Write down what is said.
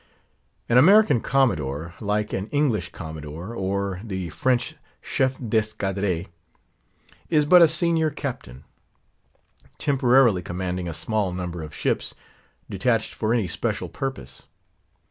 An American Commodore, like an English Commodore, or the French Chef d'Escadre, is but a senior Captain, temporarily commanding a small number of ships, detached for any special purpose.